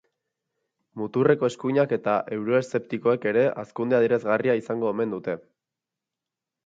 Muturreko eskuinak eta euroeszeptikoek ere hazkunde adierazgarria izango omen dute.